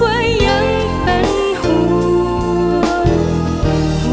ว่ายังเป็นห่วง